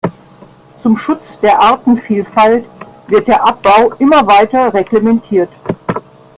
Zum Schutz der Artenvielfalt wird der Abbau immer weiter reglementiert.